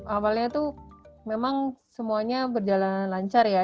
awalnya tuh memang semuanya berjalan lancar ya